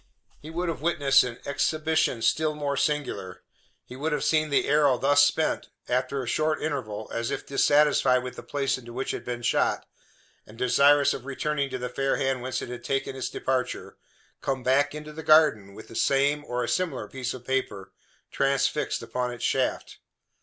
He would have witnessed an exhibition still more singular. He would have seen the arrow thus spent after a short interval, as if dissatisfied with the place into which it had been shot, and desirous of returning to the fair hand whence it had taken its departure come back into the garden with the same, or a similar piece of paper, transfixed upon its shaft!